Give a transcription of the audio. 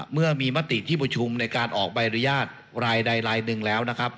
เมื่อมีมติที่ประชุมในการออกใบอนุญาตรายใดรายหนึ่งแล้วนะครับ